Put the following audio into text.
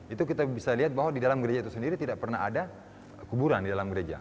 itu kita bisa lihat bahwa di dalam gereja itu sendiri tidak pernah ada kuburan di dalam gereja